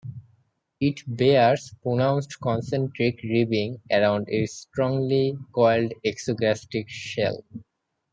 It bears pronounced concentric ribbing around its strongly coiled exogastric shell.